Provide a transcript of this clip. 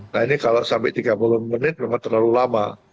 nah ini kalau sampai tiga puluh menit memang terlalu lama